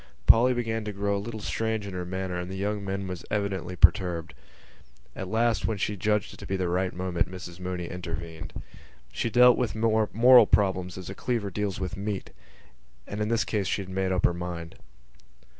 Polly began to grow a little strange in her manner and the young man was evidently perturbed. At last, when she judged it to be the right moment, Mrs Mooney intervened. She dealt with moral problems as a cleaver deals with meat: and in this case she had made up her mind.